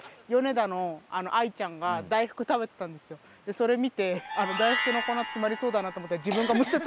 それ見て大福の粉詰まりそうだなと思って。